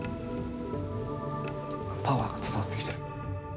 パワーが伝わってきてる。